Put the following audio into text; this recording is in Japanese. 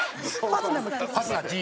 ファスナー。